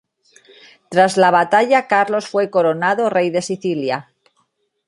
Tras la batalla Carlos fue coronado rey de Sicilia.